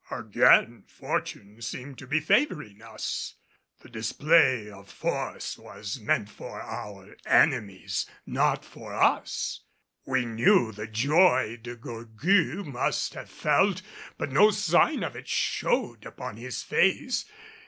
Again fortune seemed to be favoring us. The display of force was meant for our enemies, not for us. We knew the joy De Gourgues must have felt; but no sign of it showed upon his face.